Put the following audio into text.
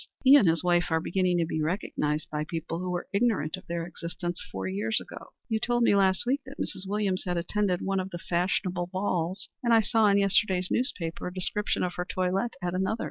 He and his wife are beginning to be recognized by people who were ignorant of their existence four years ago. You told me last week that Mrs. Williams had attended one of the fashionable balls, and I saw in yesterday's newspaper a description of her toilette at another.